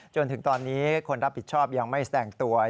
จนถึงตอนนี้คนรับผิดชอบยังไม่แสดงตัว